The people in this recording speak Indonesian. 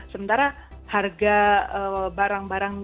sementara harga barang barang